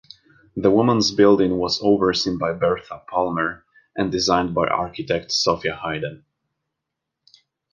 The Woman's Building was overseen by Bertha Palmer and designed by architect Sophia Hayden.